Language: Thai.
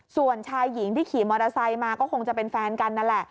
ส่วนชายหญิงที่ขี่มอเตอร์ไซค์มาก็คงจะเป็นแฟนกันนั่นแหละ